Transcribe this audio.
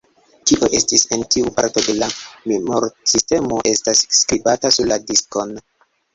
Kio estis en tiu parto de la memor-sistemo estas skribata sur la diskon.